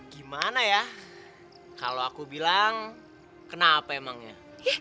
gimana ya kalau aku bilang kenapa emangnya